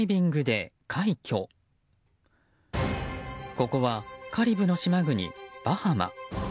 ここはカリブの島国バハマ。